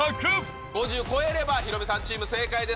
５０超えればヒロミさんチーム正解です。